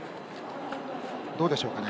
どうでしょうかね。